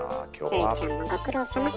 キョエちゃんもご苦労さま。